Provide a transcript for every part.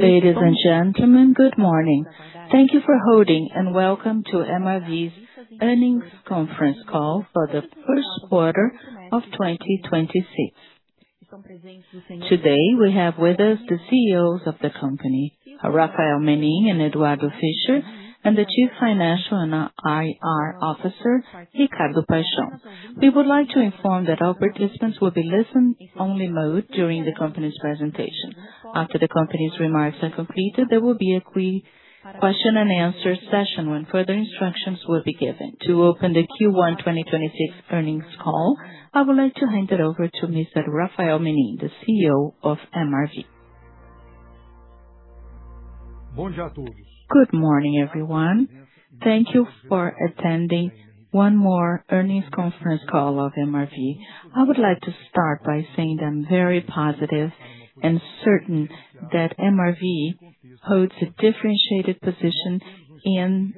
Ladies and gentlemen, good morning. Thank you for holding, and welcome to MRV's earnings conference call for the first quarter of 2026. Today, we have with us the CEOs of the company, Rafael Menin and Eduardo Fischer, and the Chief Financial and IR Officer, Ricardo Paixão. We would like to inform that all participants will be listen-only mode during the company's presentation. After the company's remarks are completed, there will be a question and answer session when further instructions will be given. To open the Q1 2026 earnings call, I would like to hand it over to Mr. Rafael Menin, the CEO of MRV. Good morning, everyone. Thank you for attending one more earnings conference call of MRV. I would like to start by saying that I'm very positive and certain that MRV holds a differentiated position in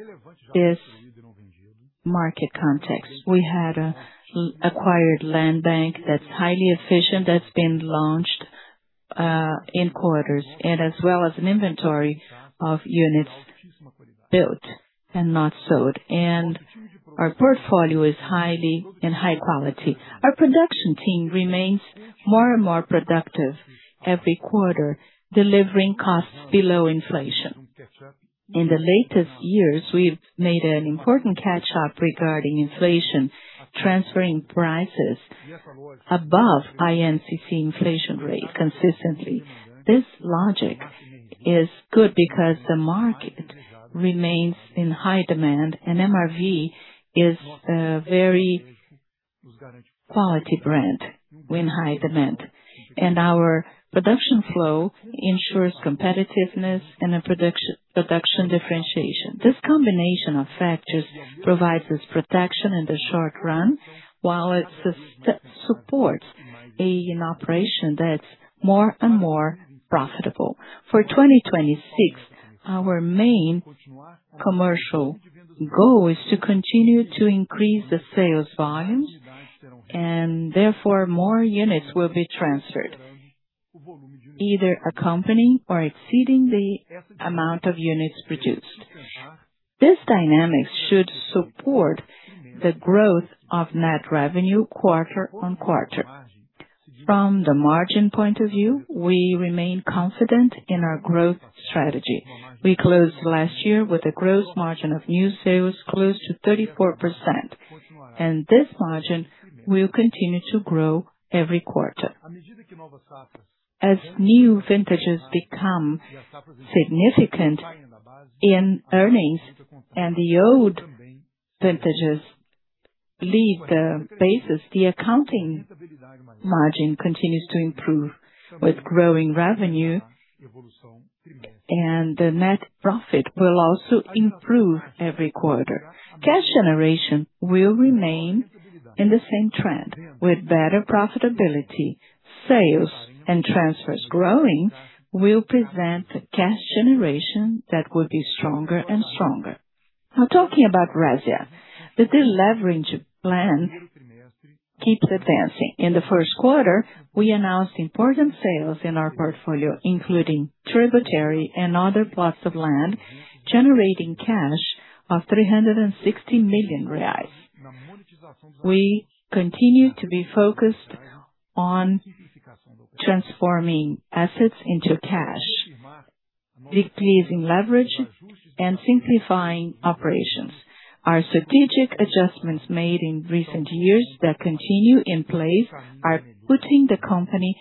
this market context. We had acquired land bank that's highly efficient, that's been launched in quarters, and as well as an inventory of units built and not sold. Our portfolio is in high quality. Our production team remains more and more productive every quarter, delivering costs below inflation. In the latest years, we've made an important catch-up regarding inflation, transferring prices above INCC inflation rate consistently. This logic is good because the market remains in high demand, and MRV is a very quality brand with high demand. Our production flow ensures competitiveness and a production differentiation. This combination of factors provides us protection in the short run, while it supports an operation that's more and more profitable. For 2026, our main commercial goal is to continue to increase the sales volumes, and therefore more units will be transferred, either accompanying or exceeding the amount of units produced. This dynamics should support the growth of net revenue quarter-on-quarter. From the margin point of view, we remain confident in our growth strategy. We closed last year with a gross margin of new sales close to 34%, and this margin will continue to grow every quarter. As new vintages become significant in earnings and the old vintages leave the basis, the accounting margin continues to improve with growing revenue, and the net profit will also improve every quarter. Cash generation will remain in the same trend. With better profitability, sales and transfers growing will present a cash generation that will be stronger and stronger. Now talking about Resia. The deleverage plan keeps advancing. In the first quarter, we announced important sales in our portfolio, including Resia Tributary and other plots of land, generating cash of 360 million reais. We continue to be focused on transforming assets into cash, decreasing leverage and simplifying operations. Our strategic adjustments made in recent years that continue in place are putting the company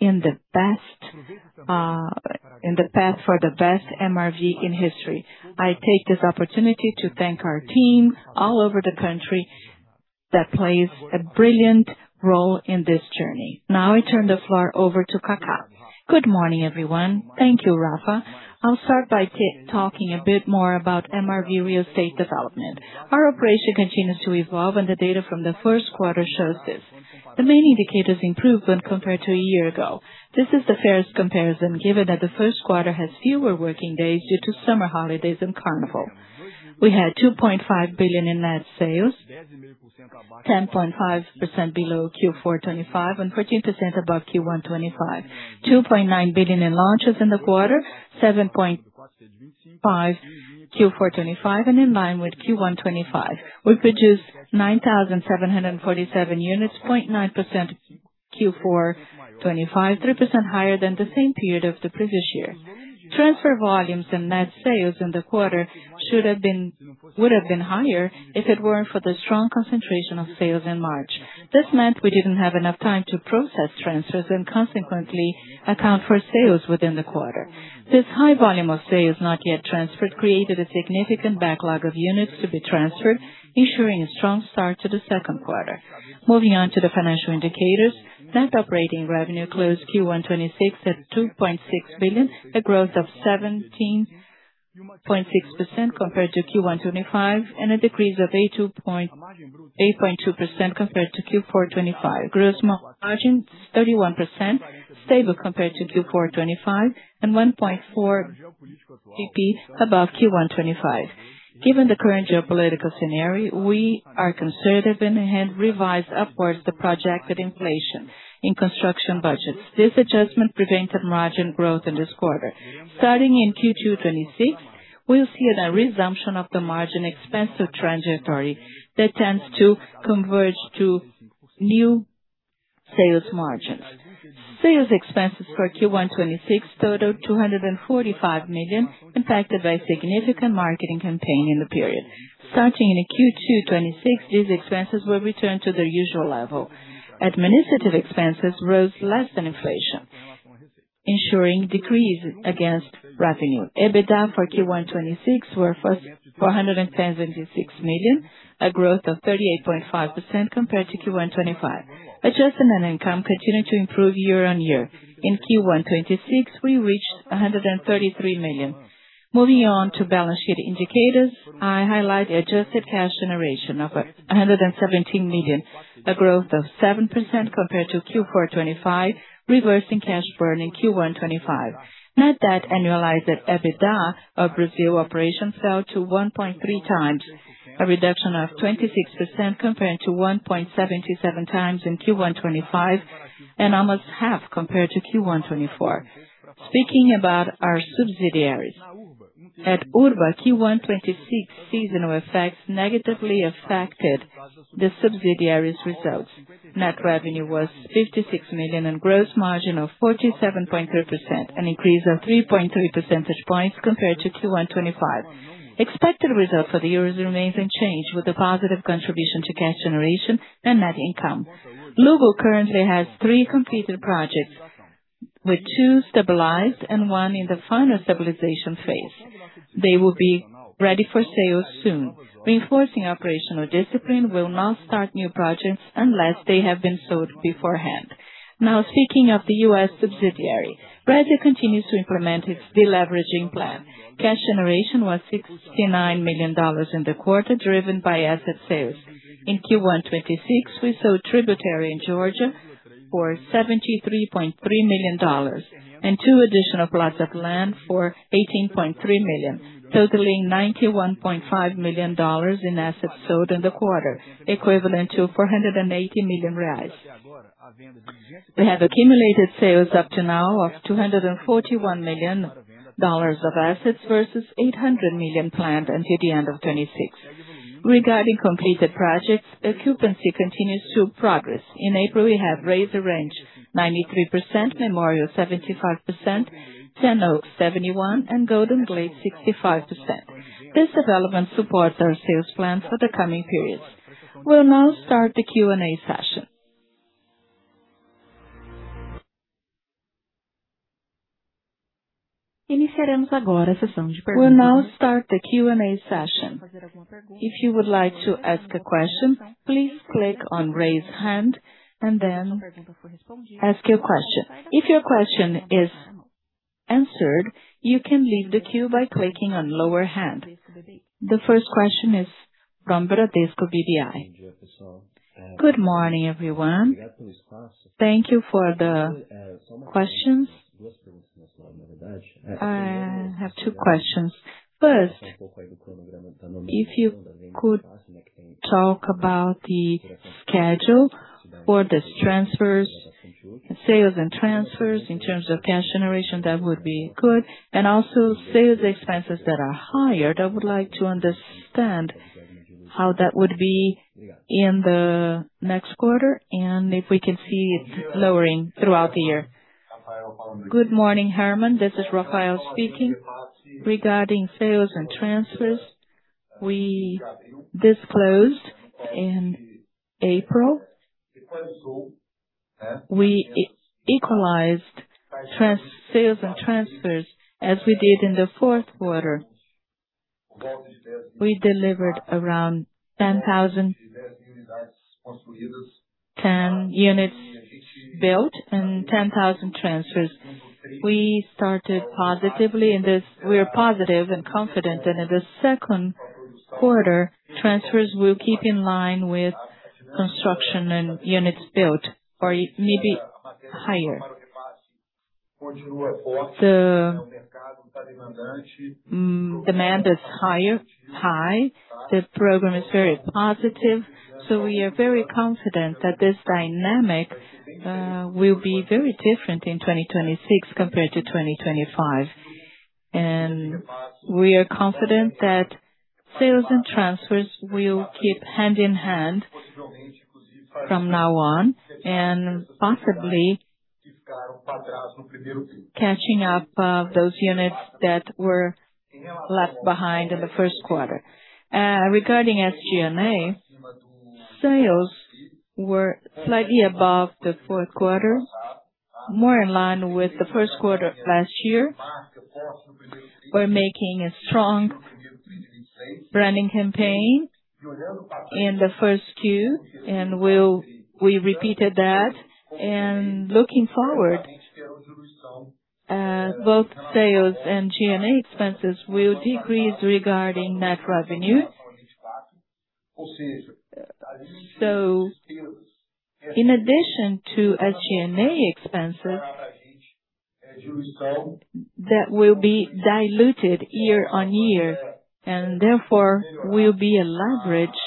in the best, in the path for the best MRV in history. I take this opportunity to thank our team all over the country that plays a brilliant role in this journey. I turn the floor over to Cacá. Good morning, everyone. Thank you, Rafa. I'll start by talking a bit more about MRV real estate development. Our operation continues to evolve, the data from the first quarter shows this. The main indicators improved when compared to a year ago. This is the fairest comparison, given that the first quarter has fewer working days due to summer holidays and Carnival. We had 2.5 billion in net sales, 10.5% below Q4 2025 and 14% above Q1 2025. 2.9 billion in launches in the quarter, 7.5 Q4 2025 and in line with Q1 2025. We produced 9,747 units, 0.9% Q4 2025, 3% higher than the same period of the previous year. Transfer volumes and net sales in the quarter would have been higher if it weren't for the strong concentration of sales in March. This meant we didn't have enough time to process transfers and consequently account for sales within the quarter. This high volume of sales not yet transferred created a significant backlog of units to be transferred, ensuring a strong start to the second quarter. Moving on to the financial indicators. Net operating revenue closed Q1 2026 at 2.6 billion, a growth of 17.6% compared to Q1 2025, and a decrease of 8.2% compared to Q4 2025. Gross margin, 31%, stable compared to Q4 2025 and 1.4 percentage points above Q1 2025. Given the current geopolitical scenario, we are conservative and have revised upwards the projected inflation in construction budgets. This adjustment prevented margin growth in this quarter. Starting in Q2 2026, we'll see the resumption of the margin expensive trajectory that tends to converge to new sales margins. Sales expenses for Q1 2026 totaled 245 million, impacted by significant marketing campaign in the period. Starting in Q2 2026, these expenses will return to their usual level. Administrative expenses rose less than inflation, ensuring decrease against revenue. EBITDA for Q1 2026 were first 410.6 million, a growth of 38.5% compared to Q1 2025. Adjusted net income continued to improve year-over-year. In Q1 2026, we reached 133 million. Moving on to balance sheet indicators, I highlight the adjusted cash generation of 117 million, a growth of 7% compared to Q4 2025, reversing cash burn in Q1 2025. Net debt annualized at EBITDA of Brazil operations fell to 1.3 times, a reduction of 26% compared to 1.77 times in Q1 2025 and almost half compared to Q1 2024. Speaking about our subsidiaries. At Urba, Q1 2026 seasonal effects negatively affected the subsidiaries results. Net revenue was 56 million and gross margin of 47.3%, an increase of 3.3 percentage points compared to Q1 2025. Expected result for the year remains unchanged, with a positive contribution to cash generation and net income. Luggo currently has three completed projects, with two stabilized and 1 in the final stabilization phase. They will be ready for sale soon. Reinforcing operational discipline will not start new projects unless they have been sold beforehand. Now, speaking of the U.S. subsidiary. Brazil continues to implement its deleveraging plan. Cash generation was $69 million in the quarter, driven by asset sales. In Q1 2026, we sold Tributary in Georgia for $73.3 million and two additional plots of land for $18.3 million, totaling $91.5 million in assets sold in the quarter, equivalent to 480 million reais. We have accumulated sales up to now of $241 million of assets versus 800 million planned until the end of 2026. Regarding completed projects, occupancy continues to progress. In April, we have Rayzor Ranch 93%, Memorial 75%, Ten Oaks 71%, and Golden Gate 65%. This development supports our sales plans for the coming periods. We'll now start the Q&A session. If you would like to ask a question, please click on Raise Hand and then ask your question. If your question is answered, you can leave the queue by clicking on Lower Hand. The first question is from Bradesco BBI. Good morning, everyone. Thank you for the questions. I have two questions. First, if you could talk about the schedule for the sales and transfers in terms of cash generation, that would be good. Also sales expenses that are higher, I would like to understand how that would be in the next quarter, and if we can see it lowering throughout the year. Good morning, Herman. This is Rafael speaking. Regarding sales and transfers, we disclosed in April. We equalized sales and transfers as we did in the fourth quarter. We delivered around 10 units built and 10,000 transfers. We started positively in this. We are positive and confident that in the second quarter, transfers will keep in line with construction and units built or maybe higher. The demand is high. The program is very positive. We are very confident that this dynamic will be very different in 2026 compared to 2025. We are confident that sales and transfers will keep hand in hand from now on and possibly catching up, those units that were left behind in the first quarter. Regarding SG&A, sales were slightly above the fourth quarter, more in line with the first quarter of last year. We're making a strong branding campaign in the first Q, and we repeated that. Looking forward, both sales and G&A expenses will decrease regarding net revenue. In addition to SG&A expenses, that will be diluted year-over-year and therefore will be a leverage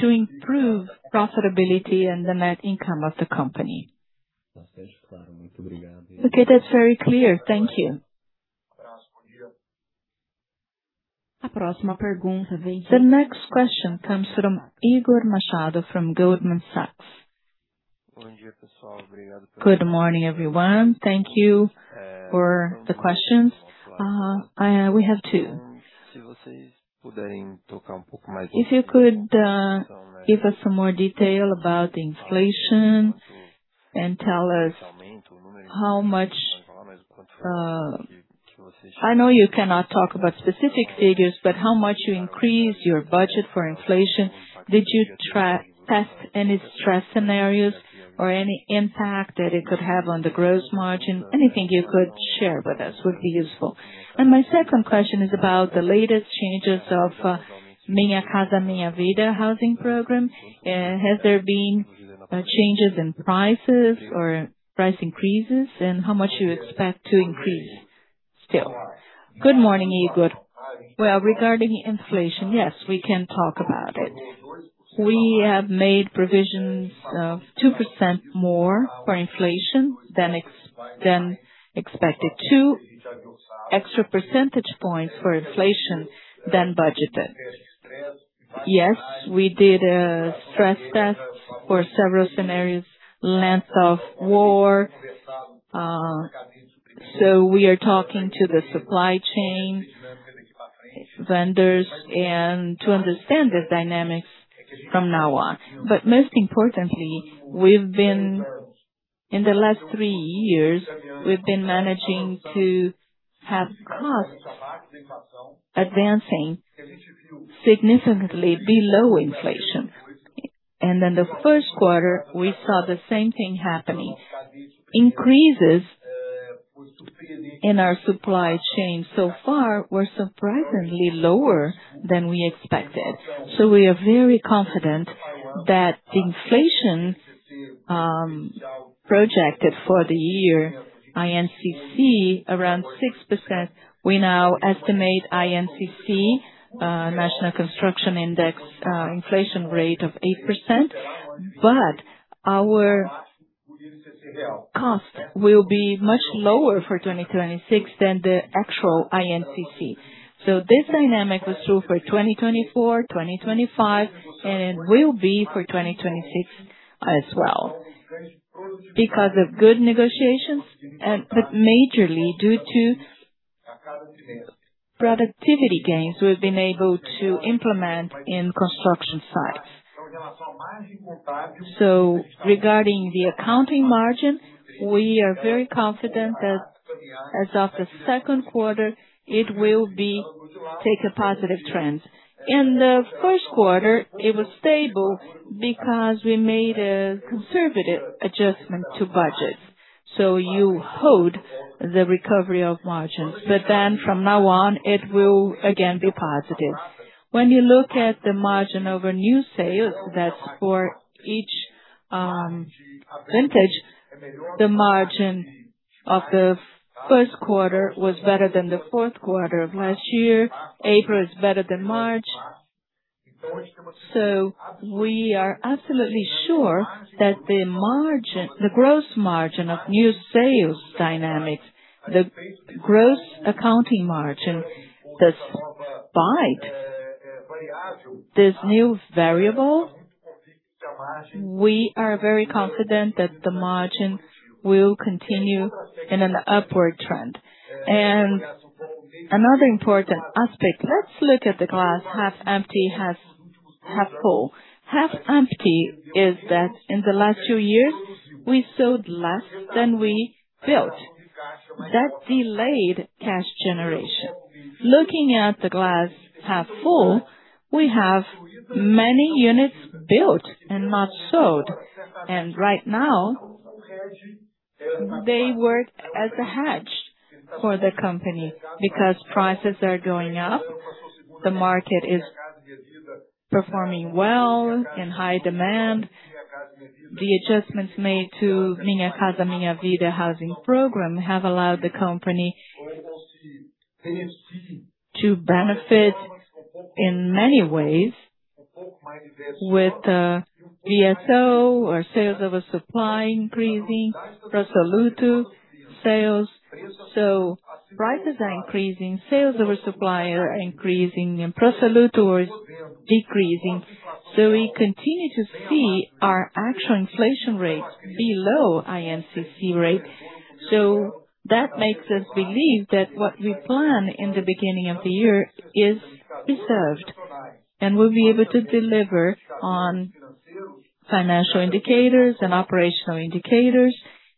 to improve profitability and the net income of the company. Okay. That's very clear. Thank you. The next question comes from Igor Machado from Goldman Sachs. Good morning, everyone. Thank you for the questions. We have two. If you could give us some more detail about inflation and tell us how much I know you cannot talk about specific figures, but how much you increase your budget for inflation. Did you stress test any stress scenarios or any impact that it could have on the gross margin? Anything you could share with us would be useful. My second question is about the latest changes of Minha Casa Minha Vida housing program. Has there been changes in prices or price increases, and how much you expect to increase still? Good morning, Igor. Well, regarding inflation, yes, we can talk about it. We have made provisions of 2% more for inflation than expected. Two extra percentage points for inflation than budgeted. Yes, we did a stress test for several scenarios, length of war. We are talking to the supply chain vendors and to understand the dynamics from now on. Most importantly, we've been In the last three years, we've been managing to have costs advancing significantly below inflation. In the first quarter, we saw the same thing happening. Increases in our supply chain so far were surprisingly lower than we expected. We are very confident that inflation, projected for the year INCC around 6%. We now estimate INCC, National Construction Index, inflation rate of 8%, but our cost will be much lower for 2026 than the actual INCC. This dynamic was true for 2024, 2025, and will be for 2026 as well. Because of good negotiations but majorly due to productivity gains we've been able to implement in construction sites. Regarding the accounting margin, we are very confident that as of the second quarter it will take a positive trend. In the first quarter, it was stable because we made a conservative adjustment to budget. You hold the recovery of margins, from now on it will again be positive. When you look at the margin over new sales, that's for each vintage, the margin of the first quarter was better than the fourth quarter of last year. April is better than March. We are absolutely sure that the gross margin of new sales dynamics, the gross accounting margin despite this new variable, we are very confident that the margin will continue in an upward trend. Another important aspect, let's look at the glass half empty, half full. Half empty is that in the last two years, we sold less than we built. That delayed cash generation. Looking at the glass half full, we have many units built and not sold, and right now they work as a hedge for the company because prices are going up, the market is performing well, in high demand. The adjustments made to Minha Casa Minha Vida housing program have allowed the company to benefit in many ways with VSO or sales over supply increasing, distrato sales. Prices are increasing, sales over supply are increasing, and distrato is decreasing. We continue to see our actual inflation rates below INCC rate. That makes us believe that what we plan in the beginning of the year is preserved, and we'll be able to deliver on financial indicators and operational indicators,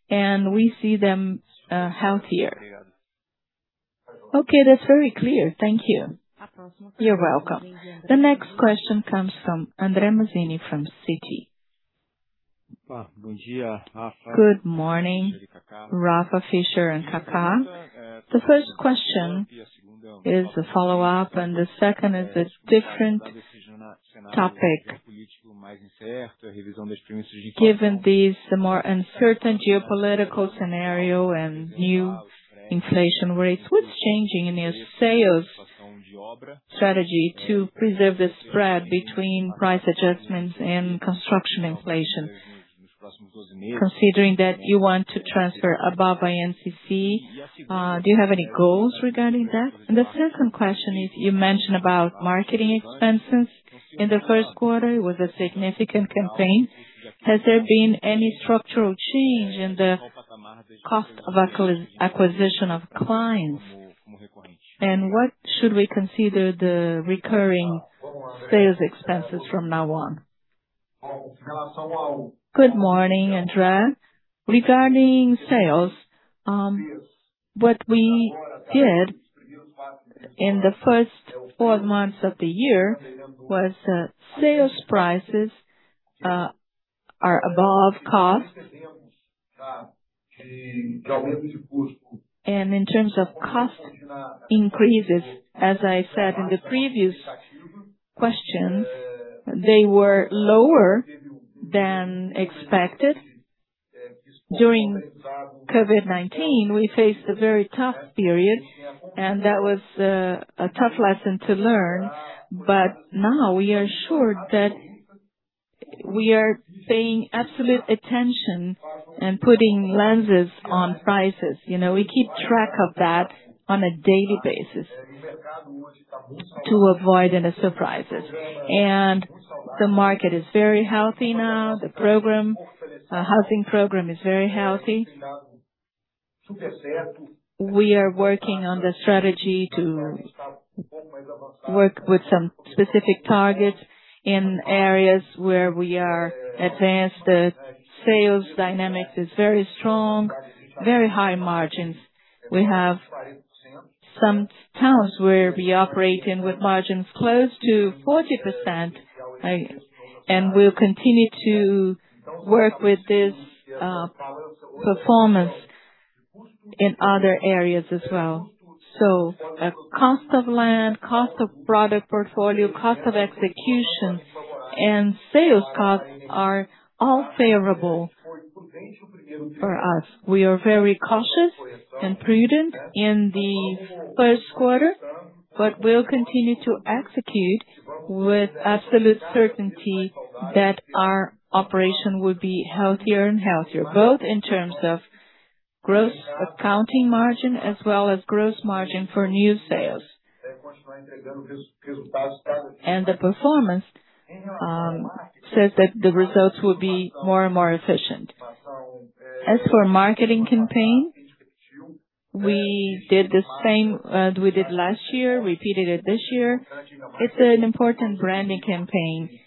and we see them healthier. Okay. That's very clear. Thank you. You are welcome. The next question comes from Andre Mazini from Citi. Good morning, Rafa, Fischer and Cacá. The first question is a follow-up, and the second is a different topic. Given this more uncertain geopolitical scenario and new inflation rates, what is changing in your sales strategy to preserve the spread between price adjustments and construction inflation? Considering that you want to transfer above INCC, do you have any goals regarding that? The second question is, you mentioned about marketing expenses in the first quarter. It was a significant campaign. Has there been any structural change in the cost of acquisition of clients? What should we consider the recurring sales expenses from now on? Good morning, Andre. Regarding sales, what we did in the first four months of the year was, sales prices are above cost. In terms of cost increases, as I said in the previous questions, they were lower than expected. During COVID-19, we faced a very tough period, and that was a tough lesson to learn. Now we are assured that we are paying absolute attention and putting lenses on prices. You know, we keep track of that on a daily basis to avoid any surprises. The market is very healthy now. Our housing program is very healthy. We are working on the strategy to work with some specific targets in areas where we are advanced. The sales dynamics is very strong, very high margins. We have some towns where we operate in with margins close to 40%, and we'll continue to work with this performance in other areas as well. The cost of land, cost of product portfolio, cost of execution, and sales costs are all favorable for us. We are very cautious and prudent in the first quarter, but we'll continue to execute with absolute certainty that our operation will be healthier and healthier, both in terms of gross accounting margin as well as gross margin for new sales. The performance says that the results will be more and more efficient. As for marketing campaign, we did the same we did last year, repeated it this year. It's an important branding campaign,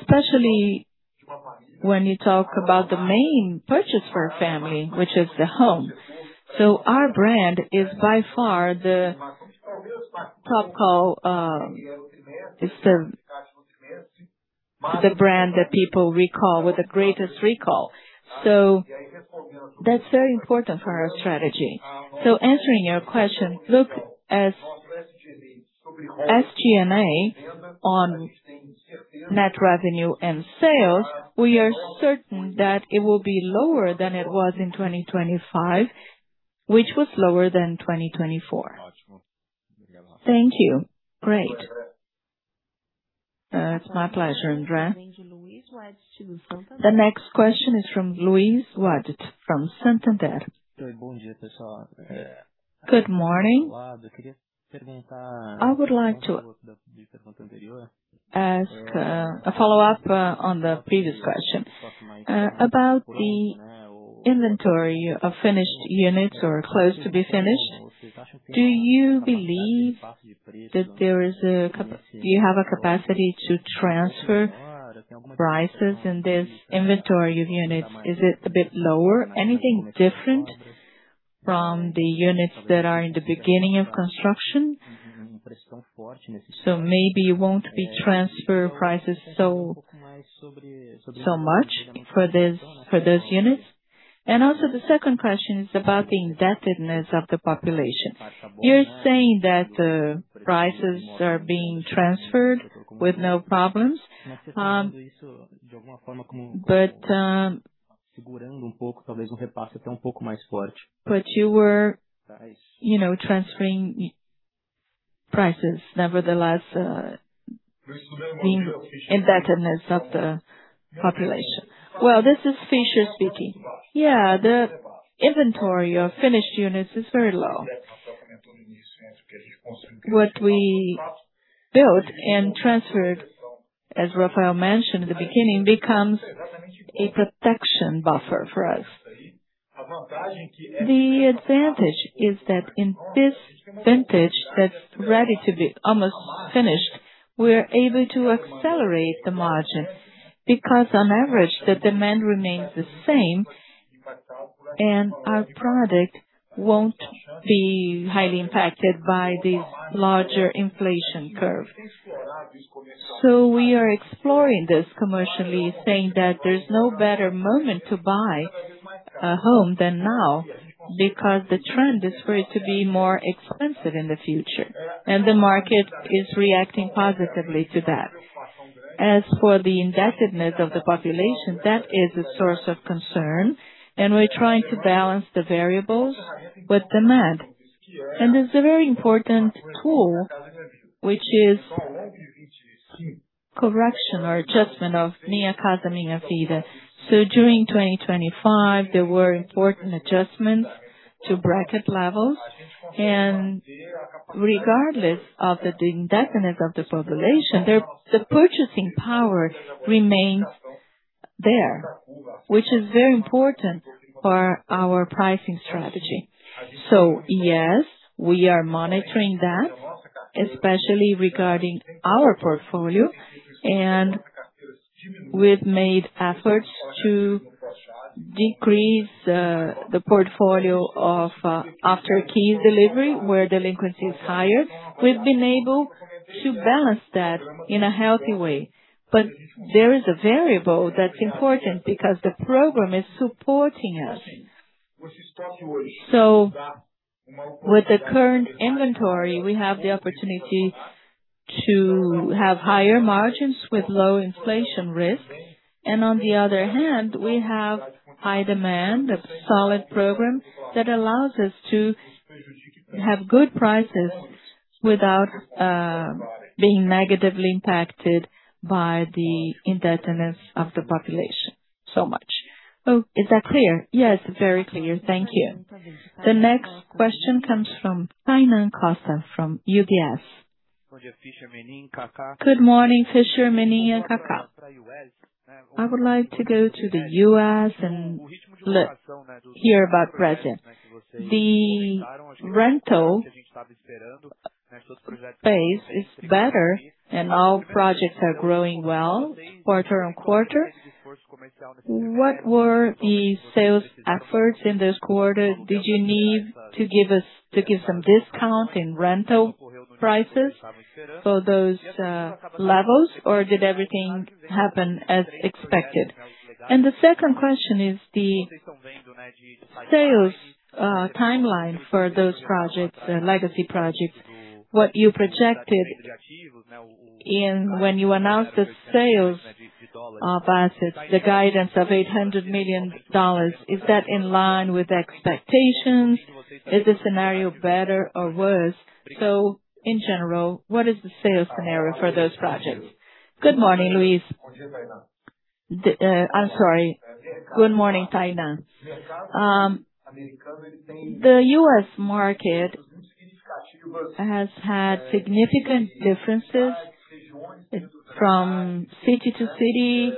especially when you talk about the main purchase for a family, which is the home. Our brand is by far the top call, it's the brand that people recall with the greatest recall. That's very important for our strategy. Answering your question, look, as SG&A on net revenue and sales, we are certain that it will be lower than it was in 2025, which was lower than 2024. Thank you. Great. It's my pleasure, Andre. The next question is from Luiz Ward, from Santander. Good morning. I would like to ask a follow-up on the previous question. About the inventory of finished units or close to be finished, do you believe that there is a capacity to transfer prices in this inventory of units? Is it a bit lower? Anything different from the units that are in the beginning of construction? Maybe you won't be transfer prices so much for this, for those units. The second question is about the indebtedness of the population. You're saying that prices are being transferred with no problems, you were transferring prices nevertheless, the indebtedness of the population. This is Fischer speaking. The inventory of finished units is very low. What we built and transferred, as Rafael mentioned at the beginning, becomes a protection buffer for us. The advantage is that in this vintage that's ready to be almost finished, we're able to accelerate the margin because on average, the demand remains the same. Our product won't be highly impacted by this larger inflation curve. We are exploring this commercially, saying that there's no better moment to buy a home than now, because the trend is for it to be more expensive in the future, and the market is reacting positively to that. As for the indebtedness of the population, that is a source of concern, we're trying to balance the variables with demand. There's a very important tool, which is correction or adjustment of Minha Casa Minha Vida. During 2025, there were important adjustments to bracket levels. Regardless of the indebtedness of the population, the purchasing power remains there, which is very important for our pricing strategy. Yes, we are monitoring that, especially regarding our portfolio. We've made efforts to decrease the portfolio of after key delivery, where delinquency is higher. We've been able to balance that in a healthy way. There is a variable that's important because the program is supporting us. With the current inventory, we have the opportunity to have higher margins with low inflation risk. On the other hand, we have high demand, a solid program that allows us to have good prices without being negatively impacted by the indebtedness of the population so much. Is that clear? Yes, very clear. Thank you. The next question comes from Tainan Costa from UBS. Good morning, Fischer, Menin, and Cacá. I would like to go to the U.S. and hear about Brazil. The rental base is better and our projects are growing well quarter on quarter. What were the sales efforts in this quarter? Did you need to give some discounts in rental prices for those levels or did everything happen as expected? The second question is the sales timeline for those projects, the legacy projects. What you projected in when you announced the sales of assets, the guidance of $800 million, is that in line with expectations? Is the scenario better or worse? In general, what is the sales scenario for those projects? Good morning, Luiz. I'm sorry. Good morning, Tainan. The U.S. market has had significant differences from city to city,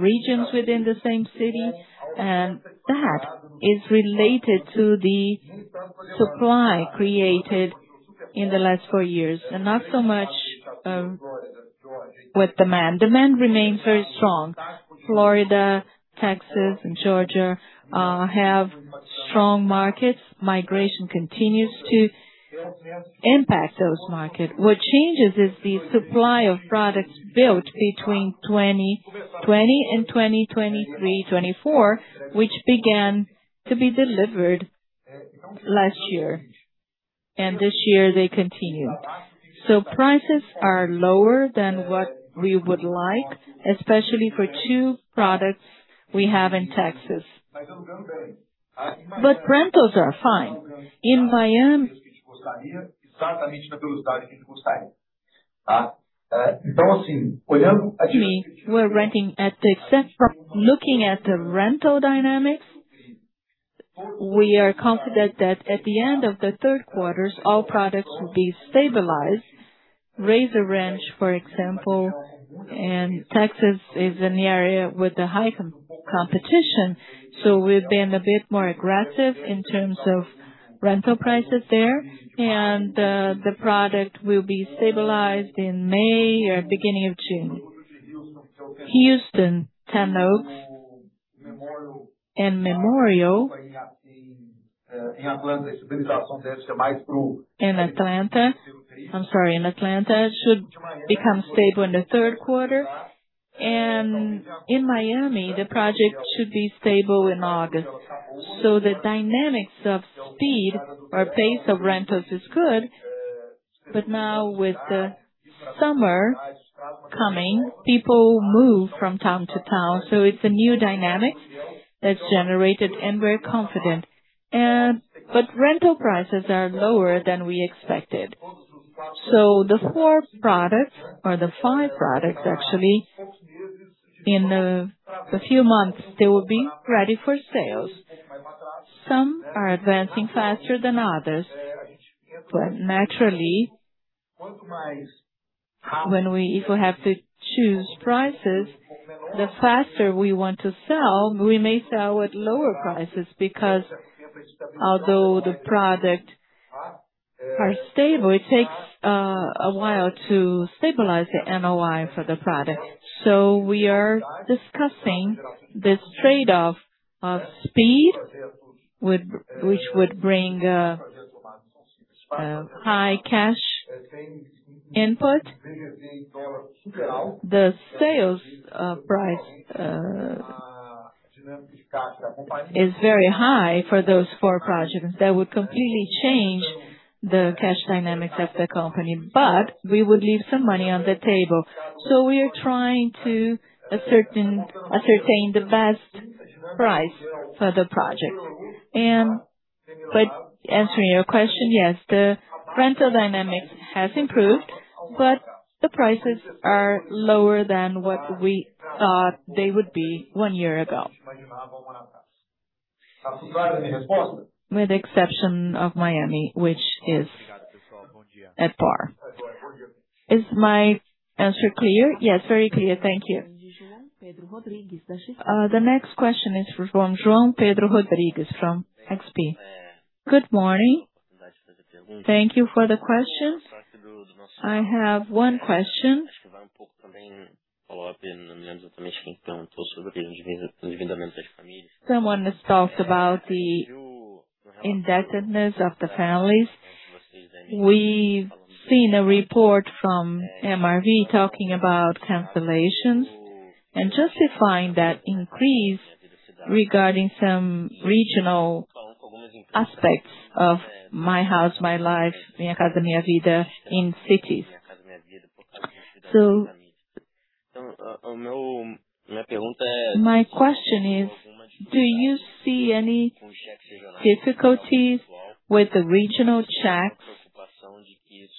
regions within the same city, and that is related to the supply created in the last four years and not so much with demand. Demand remains very strong. Florida, Texas, and Georgia have strong markets. Migration continues to impact those markets. What changes is the supply of products built between 2020 and 2023, 2024, which began to be delivered last year. This year they continue. Prices are lower than what we would like, especially for two products we have in Texas. Rentals are fine. In Miami, looking at the rental dynamics, we are confident that at the end of the third quarter, all products will be stabilized. Rayzor Ranch, for example, and Texas is an area with a high competition. We've been a bit more aggressive in terms of rental prices there. The product will be stabilized in May or beginning of June. Houston, Ten Oaks, and Memorial in Atlanta. In Atlanta, it should become stable in the third quarter. In Miami, the project should be stable in August. The dynamics of speed or pace of rentals is good. Now with the summer coming, people move from town to town. It's a new dynamic that's generated, and we're confident. Rental prices are lower than we expected. The four products or the five products, actually, in a few months, they will be ready for sales. Some are advancing faster than others. Naturally, if we have to choose prices, the faster we want to sell, we may sell at lower prices because although the products are stable. It takes a while to stabilize the NOI for the product. We are discussing this trade-off of speed which would bring high cash input. The sales price is very high for those four projects. That would completely change the cash dynamics of the company, but we would leave some money on the table. We are trying to ascertain the best price for the project. Answering your question, yes, the rental dynamic has improved, but the prices are lower than what we thought they would be one year ago. With the exception of Miami, which is at par. Is my answer clear? Yes, very clear. Thank you. The next question is from João Pedro Rodrigues from XP. Good morning. Thank you for the question. I have one question. Someone has talked about the indebtedness of the families. We've seen a report from MRV talking about cancellations and justifying that increase regarding some regional aspects of My House, My Life, Minha Casa, Minha Vida, in cities. My question is, do you see any difficulties with the regional checks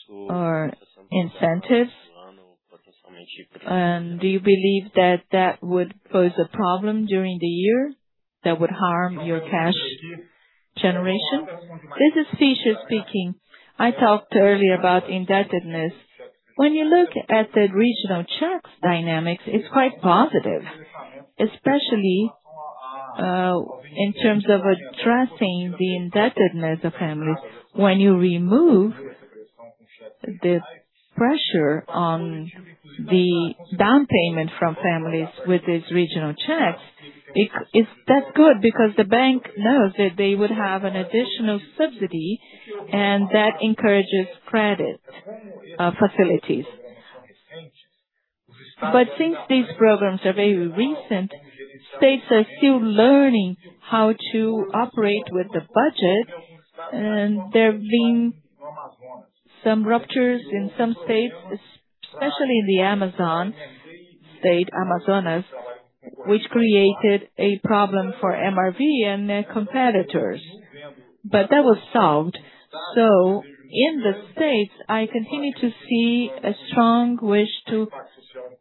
or incentives? Do you believe that that would pose a problem during the year that would harm your cash generation? This is Fischer speaking. I talked earlier about indebtedness. When you look at the regional checks dynamics, it's quite positive, especially in terms of addressing the indebtedness of families. When you remove the pressure on the down payment from families with these regional checks, that's good because the bank knows that they would have an additional subsidy, and that encourages credit facilities. Since these programs are very recent, states are still learning how to operate with the budget, and there have been some ruptures in some states, especially in the Amazon state, Amazonas, which created a problem for MRV and their competitors. That was solved. In the States, I continue to see a strong wish to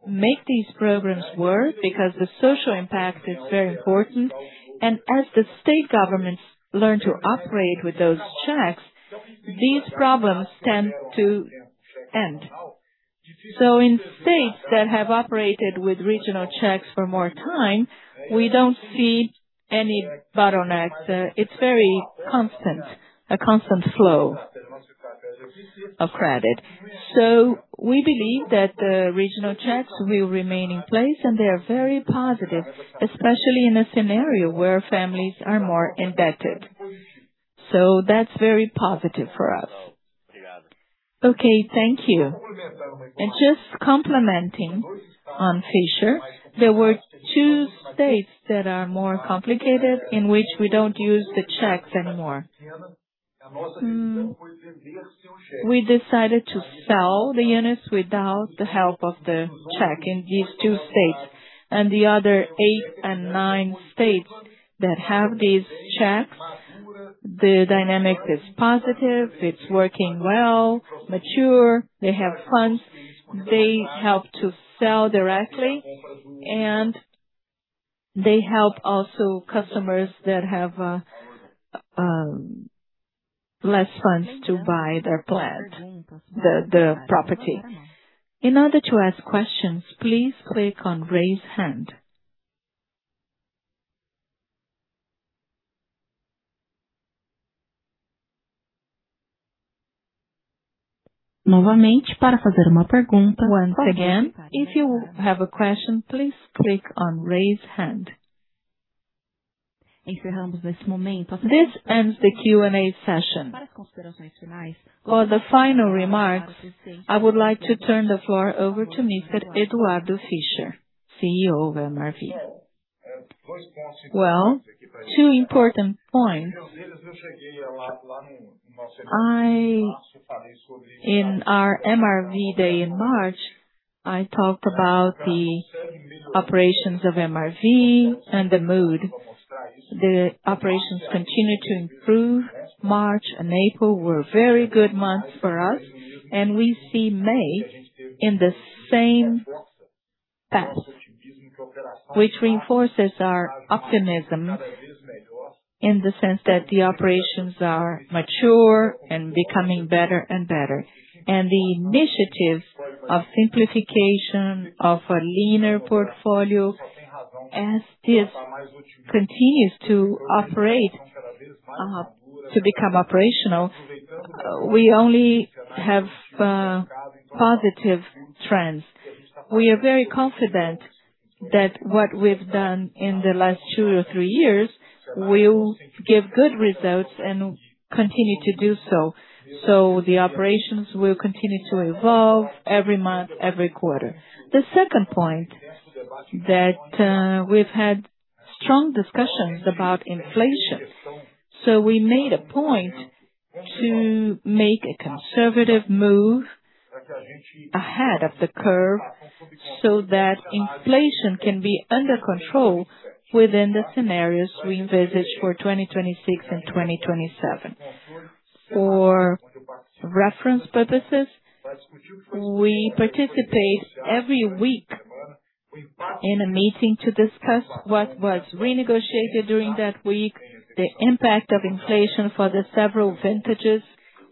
make these programs work because the social impact is very important. As the state governments learn to operate with those checks, these problems tend to end. In states that have operated with regional checks for more time, we don't see any bottlenecks. It's a constant flow of credit. We believe that the regional checks will remain in place, and they are very positive, especially in a scenario where families are more indebted. That's very positive for us. Okay, thank you. Just complementing on Fischer, there were two states that are more complicated in which we don't use the checks anymore. We decided to sell the units without the help of the check in these two states. The other eight and nine states that have these checks, the dynamic is positive. It's working well, mature. They have funds. They help to sell directly, and they help also customers that have less funds to buy the property. In order to ask questions, please click on Raise Hand. Once again, if you have a question, please click on Raise Hand. This ends the Q&A session. For the final remarks, I would like to turn the floor over to Mr. Eduardo Fischer, CEO of MRV. Well, two important points. In our MRV Day in March, I talked about the operations of MRV and the mood. The operations continue to improve. March and April were very good months for us, and we see May in the same path, which reinforces our optimism in the sense that the operations are mature and becoming better and better. The initiatives of simplification of a leaner portfolio. As this continues to operate, to become operational, we only have positive trends. We are very confident that what we've done in the last two or three years will give good results and continue to do so. The operations will continue to evolve every month, every quarter. The second point that we've had strong discussions about inflation. We made a point to make a conservative move ahead of the curve, so that inflation can be under control within the scenarios we envisage for 2026 and 2027. For reference purposes, we participate every week in a meeting to discuss what was renegotiated during that week, the impact of inflation for the several vintages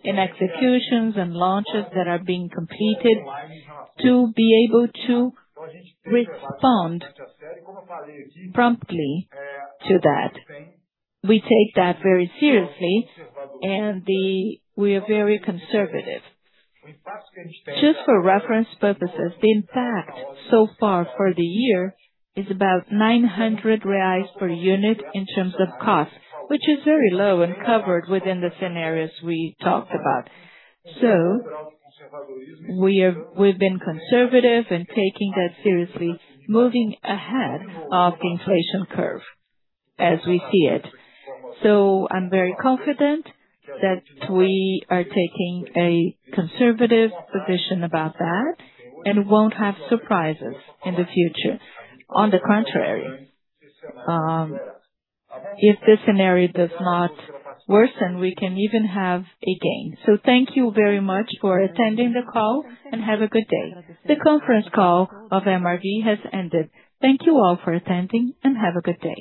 and executions and launches that are being completed, to be able to respond promptly to that. We take that very seriously, we are very conservative. Just for reference purposes, the impact so far for the year is about 900 reais/unit in terms of cost, which is very low and covered within the scenarios we talked about. We've been conservative and taking that seriously, moving ahead of the inflation curve as we see it. I'm very confident that we are taking a conservative position about that and won't have surprises in the future. On the contrary, if the scenario does not worsen, we can even have a gain. Thank you very much for attending the call, and have a good day. The conference call of MRV has ended. Thank you all for attending, and have a good day.